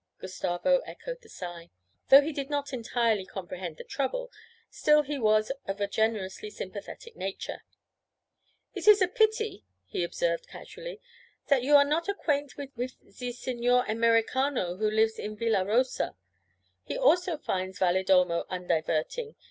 Gustavo echoed the sigh. Though he did not entirely comprehend the trouble, still he was of a generously sympathetic nature. 'It is a pity,' he observed casually, 'zat you are not acquaint wif ze Signor Americano who lives in Villa Rosa. He also finds Valedolmo undiverting.